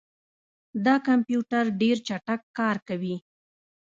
دا کمپیوټر ډېر چټک کار کوي.